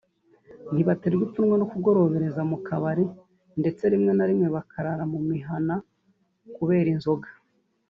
ntibaterwa ipfunwe no kugorobereza mu kabari ndetse rimwe na rimwe bakarara mu mihana kubera inzoga